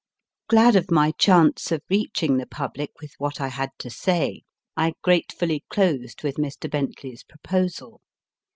Glad of my chance of reaching the public with what I had to say, I gratefully closed with Mr. Bentley s proposal.